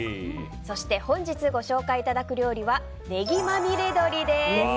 そして本日ご紹介いただく料理はネギまみれ鶏です。